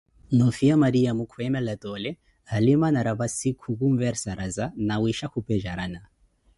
No'fiya Mariamo kwemela tole, halima na raphassi kukhonversaraza nawisha khupejarana